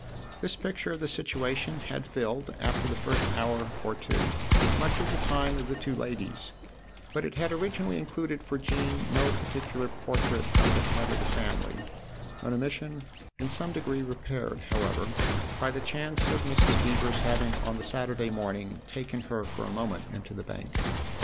This picture of the situation had filled, after the first hour or two, much of the time of the two ladies, but it had originally included for Jean no particular portrait of the head of the family an omission in some degree repaired, however, by the chance of Mrs. Beever's having on the Saturday morning taken her for a moment into the Bank.